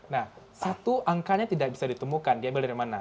nah satu angkanya tidak bisa ditemukan diambil dari mana